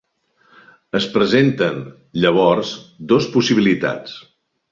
Es presenten, llavors, dos possibilitats.